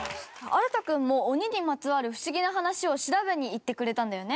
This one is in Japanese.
創君も鬼にまつわるふしぎな話を調べに行ってくれたんだよね？